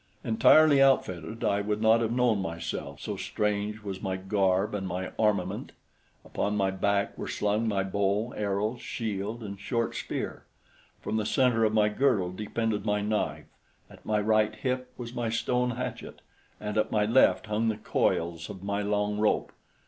Entirely outfitted I would not have known myself, so strange was my garb and my armament. Upon my back were slung my bow, arrows, shield, and short spear; from the center of my girdle depended my knife; at my right hip was my stone hatchet; and at my left hung the coils of my long rope.